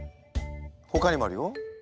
ほかにもあるよ。